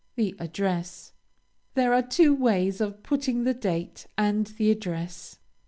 The address. There are two ways of putting the date, and the address.